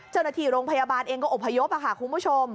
เจ้าหน้าที่โรงพยาบาลเองก็อบพยพค่ะคุณผู้ชม